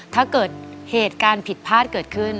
ถ้าเกิดเหตุการณ์ผิดพลาดเกิดขึ้น